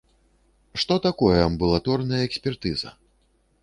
Што такое амбулаторная экспертыза?